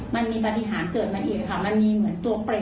มันมีปฏิหารเกิดมาอีกค่ะมันมีเหมือนตัวเปรต